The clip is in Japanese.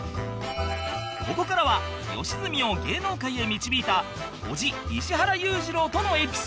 ここからは良純を芸能界へ導いた叔父石原裕次郎とのエピソード